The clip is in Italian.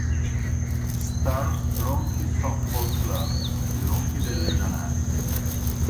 Stars Ronchi Softball Club di Ronchi dei Legionari.